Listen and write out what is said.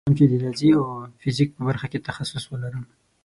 زه غواړم چې د ریاضي او فزیک په برخه کې تخصص ولرم